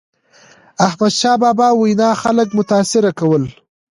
د احمدشاه بابا وینا خلک متاثره کول.